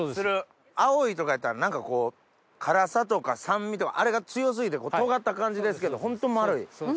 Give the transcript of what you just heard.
青いとかやったら何かこう辛さとか酸味とかあれが強過ぎてとがった感じですけどホント丸い。